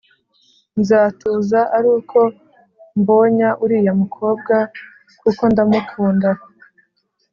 Nzatuza aruko mbonya uriya mukobwa kuko nda mukunda